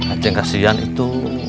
ah ceng kasihan itu